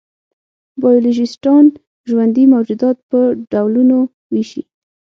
بایولوژېسټان ژوندي موجودات په ډولونو وېشي.